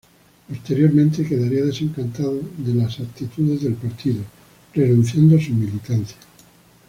Posteriormente quedaría desencantado de las actitudes del partido, renunciando a su militancia.